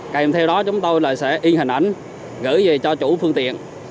cảm theo đó chúng tôi sẽ yên hình ảnh gửi về cho chủ phương tiện